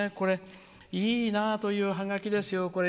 いいなというおハガキですよ。